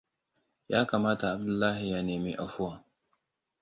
Ya kamata Abdullahi ya nemi afuwa.